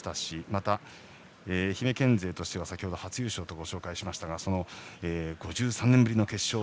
また愛媛県勢としては先程、初優勝とご紹介しましたが５３年ぶりの決勝